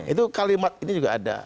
itu kalimat ini juga ada